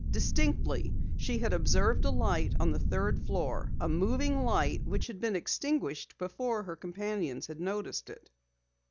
Distinctly she had observed a light on the third floor, a moving light which had been extinguished before her companions had noticed it.